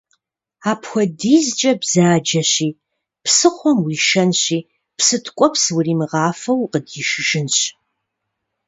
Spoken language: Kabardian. Апхуэдизкӏэ бзаджэщи, псыхъуэм уишэнщи псы ткӏуэпс уримыгъафэу укъыдишыжынщ.